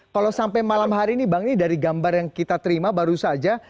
kalau sampai malam hari ini bang ini dari gambar yang kita terima baru saja